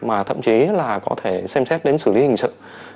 mà thậm chí là có thể xem xét đến xử lý hình sự